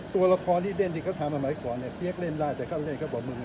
ตัวละครที่เล่นที่เขาทำสมัยก่อนเนี่ยเปี๊ยกเล่นได้แต่เขาเล่นเขาบอกมึง